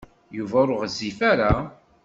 Yuba ur ɣezzif ara.